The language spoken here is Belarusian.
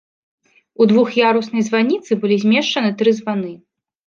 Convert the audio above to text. У двух'яруснай званіцы былі змешчаны тры званы.